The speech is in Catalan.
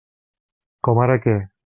Com ara què?